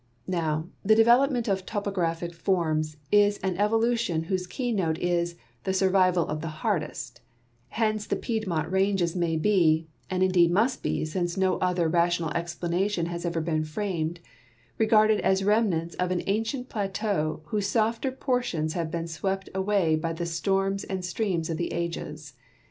Now, the development of topographic forms is an evolu tion whose key note is the survival of the hardest"; hence the Piedmont ranges may be (and indeed must be, since no other rational exi>lanation has ever been framed) regarded as remnants of an ancient plateau whose softer portions have been swe})t away b}'' the storms and streams of the ages.